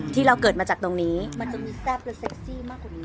ที่เราเกิดมาจากตรงนี้มันจะมีแซ่บและเซ็กซี่มากกว่านี้